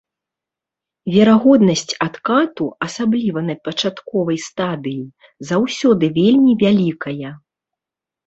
Верагоднасць адкату, асабліва на пачатковай стадыі, заўсёды вельмі вялікая.